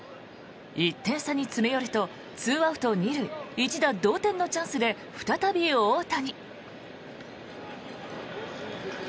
１点差に詰め寄ると２アウト２塁一打同点のチャンスで再び大谷。